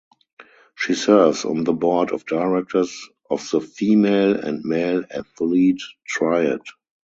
She serves on the Board of Directors of the Female and Male Athlete Triad.